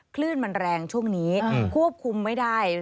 คลื่นมันแรงช่วงนี้ควบคุมไม่ได้